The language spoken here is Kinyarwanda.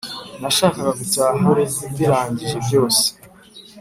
Nashakaga gutaha mbirangije byose